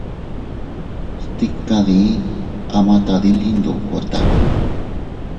Stika diii ama tadili ndokota.